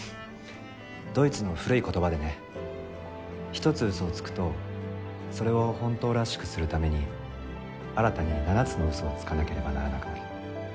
ドイツの古い言葉でね１つ嘘をつくとそれを本当らしくするために新たに７つの嘘をつかなければならなくなる。